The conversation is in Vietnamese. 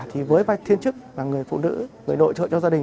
thì với vai thiên chức là người phụ nữ người nội trợ cho gia đình